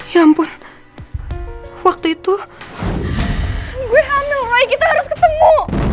ya ampun waktu itu gue hamil kita harus ketemu